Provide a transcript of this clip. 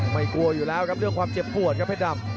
กลัวอยู่แล้วครับเรื่องความเจ็บปวดครับเพชรดำ